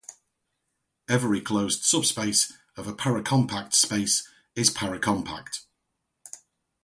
Every closed subspace of a paracompact space is paracompact.